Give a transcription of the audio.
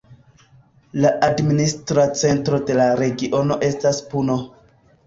La administra centro de la regiono estas Puno.